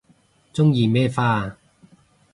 鍾意咩花啊